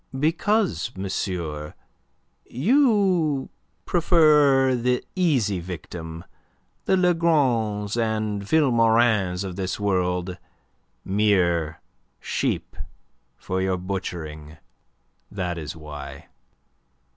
"Because, monsieur, you prefer the easy victim the Lagrons and Vilmorins of this world, mere sheep for your butchering. That is why."